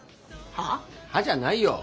「はあ？」じゃないよ。